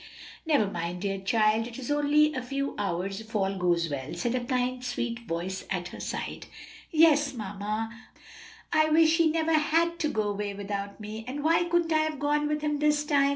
"Never mind, dear child, it is for only a few hours, if all goes well," said a kind sweet voice at her side. "Yes, mamma, but oh, I wish he never had to go away without me! And why couldn't I have gone with him this time?"